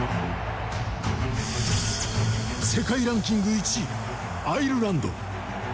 世界ランキング１位アイルランド。